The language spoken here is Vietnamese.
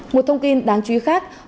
một thông tin đáng chú ý khác